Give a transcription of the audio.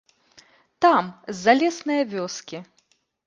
Там, з залеснае вёскі.